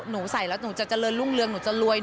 ใส่แล้วหนูจะเจริญรุ่งเรืองหนูจะรวย